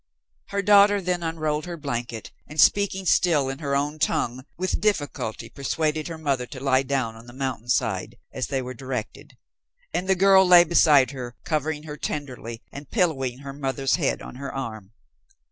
Her daughter then unrolled her blanket and, speaking still in her own tongue, with difficulty persuaded her mother to lie down on the mountain side, as they were directed, and the girl lay beside her, covering her tenderly and pillowing her mother's head on her arm.